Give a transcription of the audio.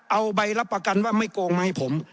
เอาใบรับประกันว่าไม่โกงมาให้ผม